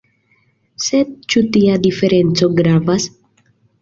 Sed ĉu tia diferenco gravas?